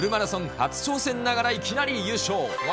初挑戦ながら、いきなり優勝。